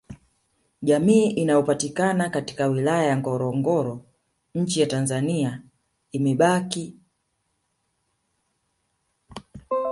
Jamii inayopatikana katika wilaya ya Ngorongoro Nchi ya tanzania ina mabaki ya kale sana